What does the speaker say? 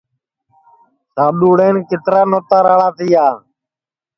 سادؔوݪین کِترا نوتا راݪا تیا